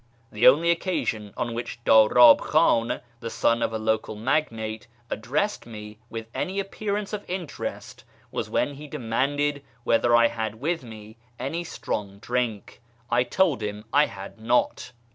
The only occasion on which Darab Khtin, the son of a local magnate, addressed me with any appear ance of interest was when he demanded whether I had with me any strong drink. I told him I had not.